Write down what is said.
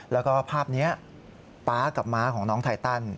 แล้วก็ภาพนี้ป๊ากับม้าของน้องไทตัน